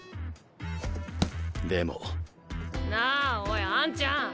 なあおいあんちゃん。